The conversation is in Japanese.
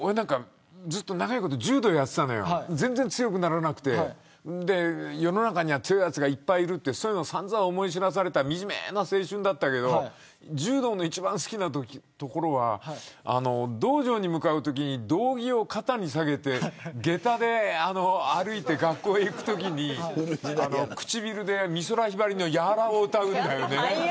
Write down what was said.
長いこと柔道やってたのよ全然強くならなくて世の中には強いやつがいっぱいいるということをさんざん思い知らされた惨めな青春だったけど柔道の一番好きなところが道場に向かうときに道着を肩に下げて下駄で歩いて学校に行くときに唇で美空ひばりの柔を歌うんだよね。